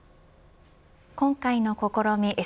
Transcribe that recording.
今回の試み